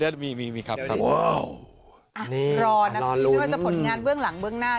นี่ค่ะรอลุ้นนี่คือว่าจะผลงานเบื้องหลังเบื้องหน้า